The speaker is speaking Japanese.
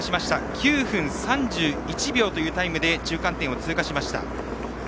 ９分３１秒というタイムで中間点を通過しました。